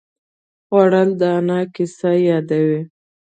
خوړل د انا کیسې یادوي